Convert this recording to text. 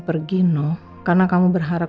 pergi noh karena kamu berharap